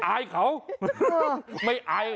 อายเขาไม่อาย